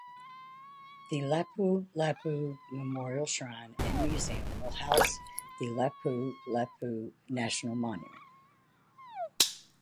The Lapulapu Memorial Shrine and Museum will house the Lapulapu National Monument.